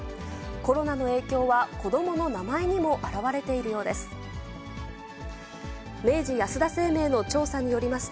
コロナの影響は子どもの名前にも表れているようです。